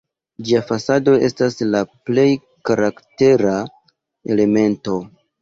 Ĝia fasado estas la plej karaktera elemento.